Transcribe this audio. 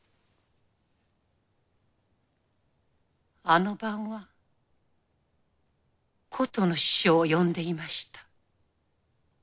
あの晩は琴の師匠を呼んでいました。